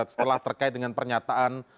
setelah terkait dengan pernyataan